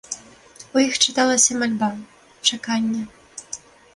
У іх чыталася мальба, чаканне.